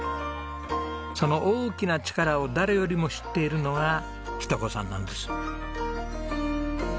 その大きな力を誰よりも知っているのが日登子さんなんです。